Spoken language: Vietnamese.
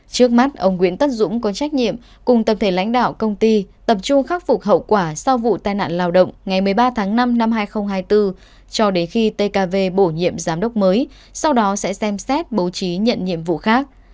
trước mắt ông nguyễn tất dũng có trách nhiệm cùng tập thể lãnh đạo công ty tập trung khắc phục hậu quả sau vụ tai nạn lao động ngày một mươi ba tháng năm năm hai nghìn hai mươi bốn cho đến khi tkv bổ nhiệm giám đốc mới sau đó sẽ xem xét bố trí nhận nhiệm vụ khác